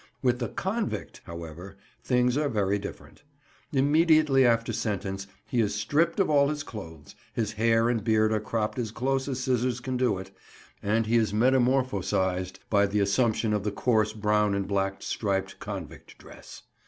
With the "convict," however, things are very different. Immediately after sentence he is stripped of all his clothes, his hair and beard are cropped as close as scissors can do it, and he is metamorphosized by the assumption of the coarse brown and black striped convict dress.